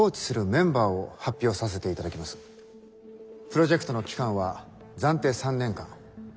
プロジェクトの期間は暫定３年間。